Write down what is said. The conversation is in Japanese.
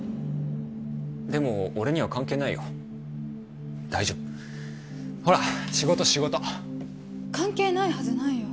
でも俺には関係ないよ大丈夫ほら仕事仕事関係ないはずないよ